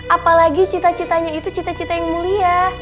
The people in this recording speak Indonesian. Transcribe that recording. apalagi cita citanya itu cita cita yang mulia